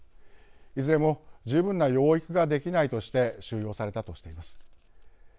いずれも十分な養育ができないとして収容されたとしています。